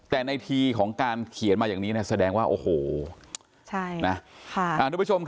แต่ในทีของการเขียนมาอย่างนี้แสดงว่าโอ้โหทุกผู้ชมค่ะ